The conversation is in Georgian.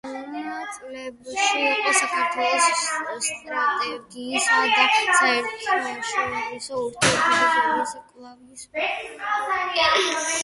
შემდგომ წლებში იყო საქართველოს სტრატეგიისა და საერთაშორისო ურთიერთობების კვლევის ფონდის პრეზიდენტი.